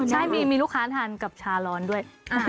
ใช่มีลูกค้าทานกับชาร้อนด้วย